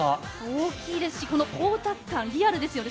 大きいですしこの光沢感リアルですよね。